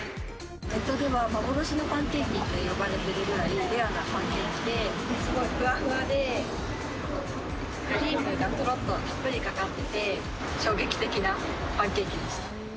ネットでは幻のパンケーキって呼ばれているぐらい、レアなパンケーキで、すごいふわふわで、クリームがとろっとたっぷりかかってて、衝撃的なパンケーキでした。